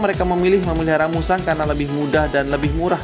mereka memilih memelihara musang karena lebih mudah dan lebih murah